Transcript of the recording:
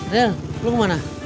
ril lu kemana